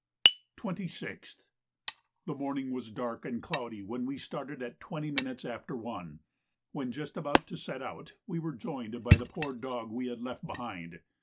26th. The morning was dark and cloudy when we started at 20 minutes after one. When just about to set out, we were joined by the poor dog we had left behind.